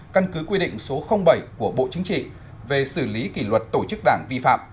căn cứ quy định số bảy của bộ chính trị về xử lý kỷ luật tổ chức đảng vi phạm